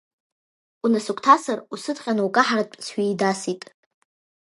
Унасыгәҭасыр усыдҟьаны укаҳартә сҩеидасит.